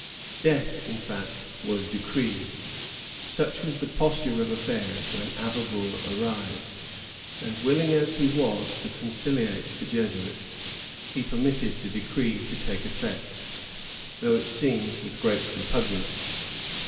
Death, in fact, was decreed. Such was the posture of affairs when Avaugour arrived; and, willing as he was to conciliate the Jesuits, he per mitted the decree to take effect, although, it seems, with great repugnance.